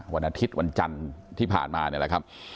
วันอาทิตย์วันจันทร์ที่ผ่านมานี่แหละครับ